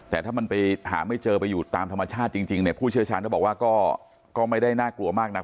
แต่ถ้ามันไปหาไม่เจอไปอยู่ตามธรรมชาติจริงเนี่ยผู้เชี่ยวชาญก็บอกว่าก็ไม่ได้น่ากลัวมากนัก